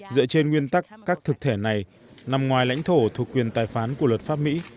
dựa trên nguyên tắc các thực thể này nằm ngoài lãnh thổ thuộc quyền tài phán của luật pháp mỹ